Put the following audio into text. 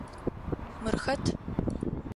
Мыр хэт?